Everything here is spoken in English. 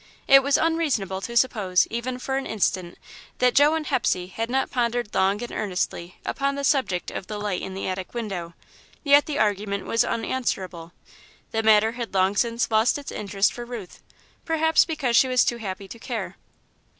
It was unreasonable to suppose, even for an instant, that Joe and Hepsey had not pondered long and earnestly upon the subject of the light in the attic window, yet the argument was unanswerable. The matter had long since lost its interest for Ruth perhaps because she was too happy to care.